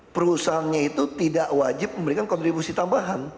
perusahaannya itu tidak wajib memberikan kontribusi tambahan